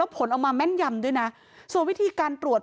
แล้วผลเอามาแม่นมด้วยนะส่วนวิธีการตรวจ